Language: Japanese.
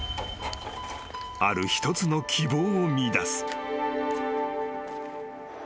［ある一つの希望を見いだす］